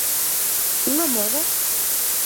Unha moda?